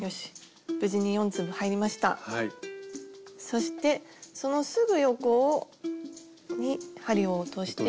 そしてそのすぐ横に針を落として。